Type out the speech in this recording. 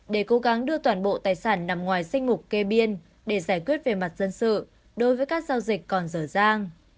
để cố gắng đưa toàn bộ tài sản nằm ngoài danh mục kê biên để giải quyết về mặt dân sự đối với các giao dịch còn dở dang